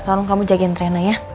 tolong kamu jagain trena ya